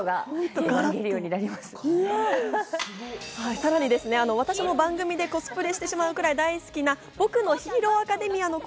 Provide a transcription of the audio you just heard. さらに私も番組でコスプレしてしまうくらい大好きな『僕のヒーローアカデミア』の声